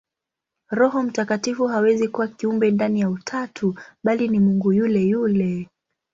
Roho Mtakatifu hawezi kuwa kiumbe ndani ya Utatu, bali ni Mungu yule yule.